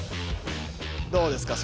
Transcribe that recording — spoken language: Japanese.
どうですか？